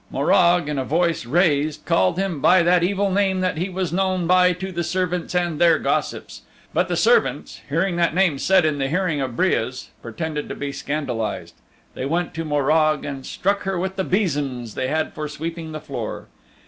Morag, in a voice raised, called him by that evil name that he was known by to the servants and their gossips. But the servants, hearing that name said in the hearing of Breas, pretended to be scandalized. They went to Morag and struck her with the besoms they had for sweeping the floor.